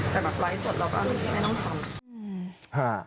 แต่แบบไลฟ์สดเราก็ไม่ต้องทำ